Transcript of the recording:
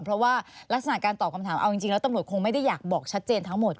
เพราะว่ารักษณะการตอบคำถามเอาจริงแล้วตำรวจคงไม่ได้อยากบอกชัดเจนทั้งหมด